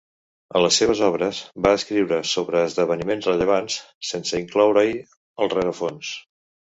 A les seves obres, va escriure sobre esdeveniments rellevants, sense incloure-hi el rerefons.